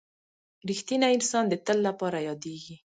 • رښتینی انسان د تل لپاره یادېږي.